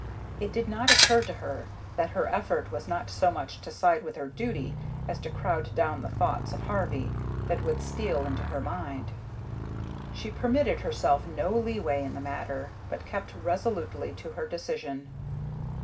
It did not occur to her that her effort was not so much to side with her duty as to crowd down the thoughts of Harvey that would steal into her mind. She permitted herself no leeway in the matter, but kept resolutely to her decision.